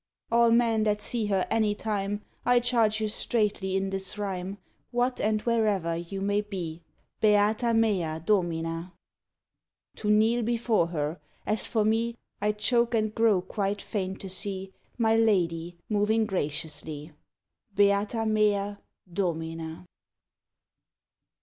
_ All men that see her any time, I charge you straightly in this rhyme, What, and wherever you may be, Beata mea Domina! To kneel before her; as for me, I choke and grow quite faint to see My lady moving graciously. _Beata mea Domina!